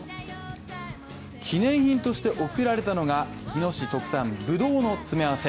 記念品として贈られたのが日野市特産ぶどうの詰め合わせ。